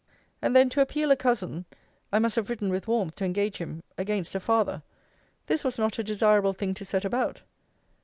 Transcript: And then to appeal a cousin [I must have written with warmth to engage him] against a father; this was not a desirable thing to set about.